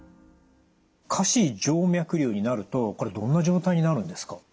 下肢静脈瘤になるとこれどんな状態になるんですか？